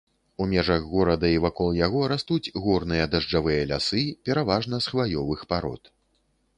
У межах горада і вакол яго растуць горныя дажджавыя лясы, пераважна з хваёвых парод.